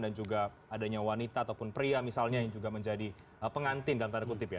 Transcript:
dan juga adanya wanita ataupun pria misalnya yang juga menjadi pengantin dalam tanda kutip ya